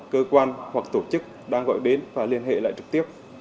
cơ quan hoặc tổ chức đang gọi đến và liên hệ lại trực tiếp